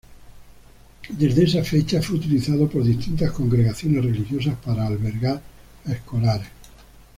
Desde esa fecha, fue utilizado por distintas congregaciones religiosas para albergar a escolares.